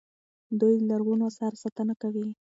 دوی د لرغونو اثارو ساتنه کوي.